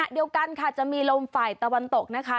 เดียวกันค่ะจะมีลมฝ่ายตะวันตกนะคะ